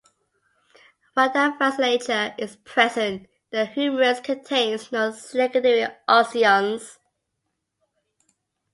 While the vasculature is present, the humerus contains no secondary osteons.